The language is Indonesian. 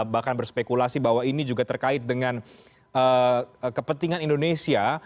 bahkan berspekulasi bahwa ini juga terkait dengan kepentingan indonesia